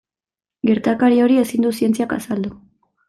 Gertakari hori ezin du zientziak azaldu.